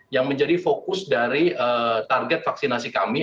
yang menjadi fokus dari target vaksinasi kami